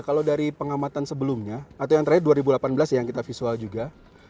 kalau dari pengamatan sebelumnya atau yang terakhir dua ribu delapan belas yang kita visual juga